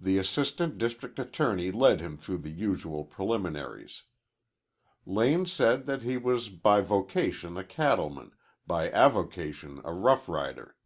The assistant district attorney led him through the usual preliminaries. Lane said that he was by vocation a cattleman, by avocation a rough rider.